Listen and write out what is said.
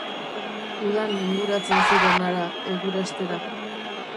Udan inguratzen ziren hara, egurastera.